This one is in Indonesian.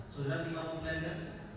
saudara terima pemberian gak